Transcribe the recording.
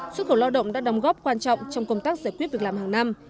xuất khẩu lao động đã đóng góp quan trọng trong công tác giải quyết việc làm hàng năm